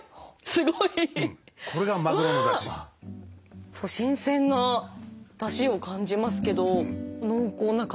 すごい新鮮な出汁を感じますけど濃厚な感じがありますね。